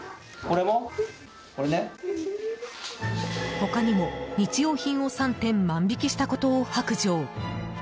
他にも日用品を３点万引きしたことを白状。